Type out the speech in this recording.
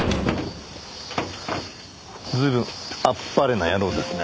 随分あっぱれな野郎ですね。